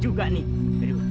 saya akan membunuhmu